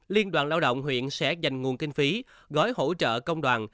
liên đoàn lao động huyện sẽ dành nguồn kinh phí gói hỗ trợ công đoàn